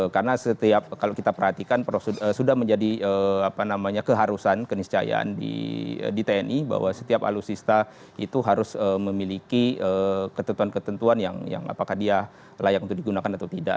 karena setiap kalau kita perhatikan sudah menjadi keharusan keniscayaan di tni bahwa setiap alutsista itu harus memiliki ketentuan ketentuan yang apakah dia layak untuk digunakan atau tidak